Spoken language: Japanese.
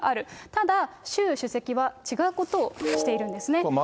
ただ、習主席は違うことをしているんですね。